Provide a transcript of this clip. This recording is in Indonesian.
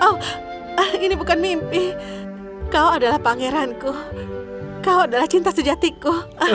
oh ini bukan mimpi kau adalah pangeranku kau adalah cinta sejatiku